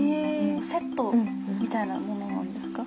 セットみたいなものなんですか？